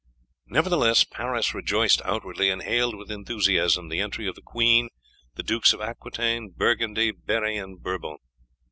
Nevertheless Paris rejoiced outwardly, and hailed with enthusiasm the entry of the queen, the Dukes of Aquitaine, Burgundy, Berri, and Bourbon.